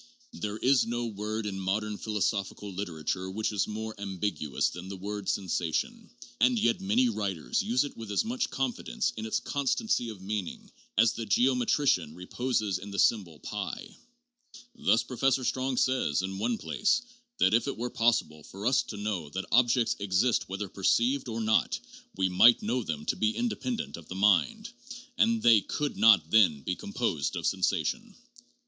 There is no word in modern philosophical literature which is more ambiguous than the word 'sensation,' and yet many writers use it with as much confidence in its constancy of meaning as the geometrician reposes in the symbol w. Thus Professor Strong says in one place that ' if it were possible for us to know that objects exist whether perceived or not, we might know them to be independent of the mind, and they could not then be composed of sensation.'